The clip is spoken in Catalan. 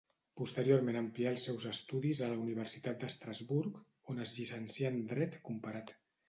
Posteriorment amplià els seus estudis a la Universitat d'Estrasburg, on es llicencià en Dret comparat.